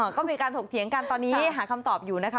ก็มีการถกเถียงกันตอนนี้หาคำตอบอยู่นะคะ